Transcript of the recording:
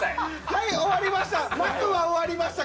はい、終わりました。